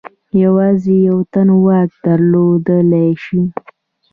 یوازې یو تن واک درلودلای شي.